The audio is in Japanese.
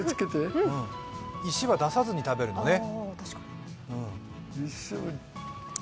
石は出さずに食べるのね。